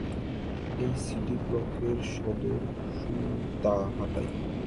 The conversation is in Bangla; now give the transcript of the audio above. এই সিডি ব্লকের সদর সূতাহাটায়।